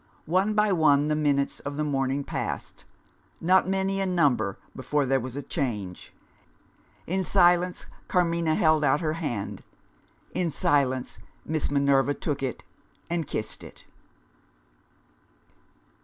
One by one the minutes of the morning passed not many in number, before there was a change. In silence, Carmina held out her hand. In silence, Miss Minerva took it and kissed it.